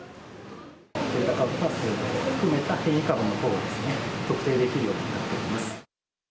デルタ株を含めた変異株のほうを特定できるようになっています。